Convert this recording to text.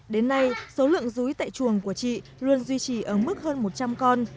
đến nay số lượng rúi tại chuồng của chị luôn duy trì ở mức hơn một trăm linh con